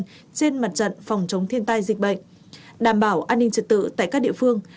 trên mặt trận phòng chống thiên tai dịch bệnh đảm bảo an ninh trật tự tại các địa phương